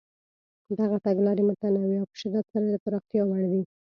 دغه تګلارې متنوع او په شدت سره د پراختیا وړ دي.